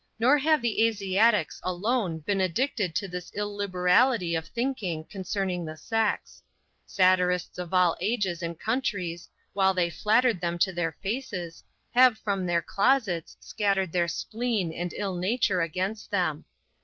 Nor have the Asiatics alone been addicted to this illiberality of thinking concerning the sex. Satirists of all ages and countries, while they flattered them to their faces, have from their closets scattered their spleen and ill nature against them.